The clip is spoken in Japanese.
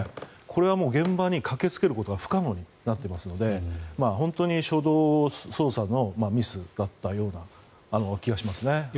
これはもう現場に駆けつけることは不可能になっていますので本当に初動捜査のミスだったような気がしますね。